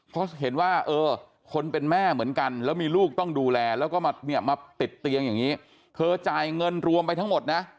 เพราะเห็นว่าเออคนเป็นแม่เหมือนกันแล้วมีลูกต้องดูแลแล้วก็มาเนี่ยมาติดเตียงอย่างนี้เธอจ่ายเงินรวมไปทั้งหมดนะ